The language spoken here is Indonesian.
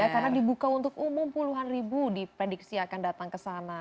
karena dibuka untuk umum puluhan ribu diprediksi akan datang ke sana